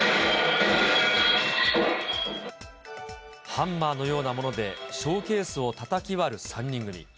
ハンマーのようなもので、ショーケースをたたき割る３人組。